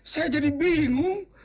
saya jadi bingung